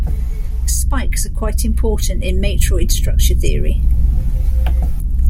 Spikes are quite important in matroid structure theory.